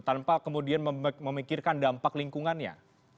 tanpa kemudian memikirkan dampak lingkungannya